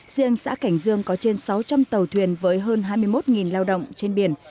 riêng xã cảnh dương có trên sáu trăm linh tàu thuyền với hơn hai mươi một lao động trên biển